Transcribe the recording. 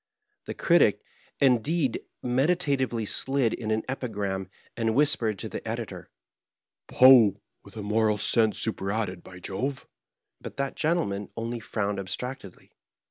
The Critic, indeed, meditatively slid in an epigram, and whispered to the Editor, '* Poe with a moral sense superadded, by Jove I '' bat that gentleman only frowned abstractedly.